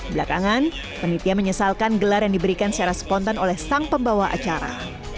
belakangan penitia menyesalkan gelar yang diberikan secara spontan oleh sang pembawa acara